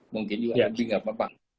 mungkin juga lebih gak papa